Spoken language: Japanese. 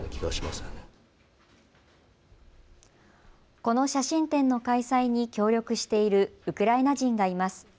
この写真展の開催に協力しているウクライナ人がいます。